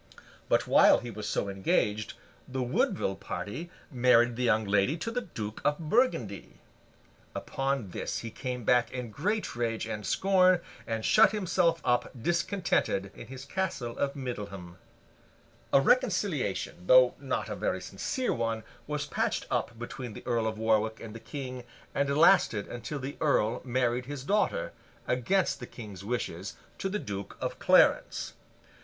But, while he was so engaged, the Woodville party married the young lady to the Duke of Burgundy! Upon this he came back in great rage and scorn, and shut himself up discontented, in his Castle of Middleham. A reconciliation, though not a very sincere one, was patched up between the Earl of Warwick and the King, and lasted until the Earl married his daughter, against the King's wishes, to the Duke of Clarence.